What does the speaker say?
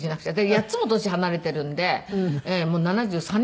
８つも年離れているんでもう７３になるんですよ。